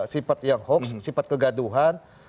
sifat yang hoax sifat kegaduhan